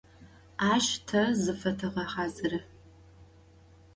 Aş te zıfeteğehazırı.